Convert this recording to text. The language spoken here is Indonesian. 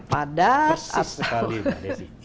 padat atau persis sekali mbak disy